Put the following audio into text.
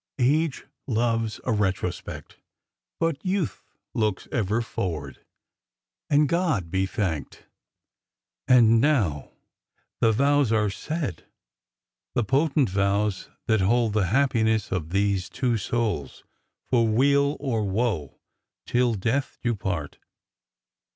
Age loves a retrospect, but Youth looks ever forward— and God be thanked! HER WEDDING DAY 417 And now— * The vows are said — The potent vows that hold the happiness Of these two souls, for weal or woe, till death Do part.